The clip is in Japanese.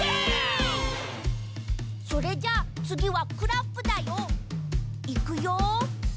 それじゃあつぎはクラップだよ。いくよ！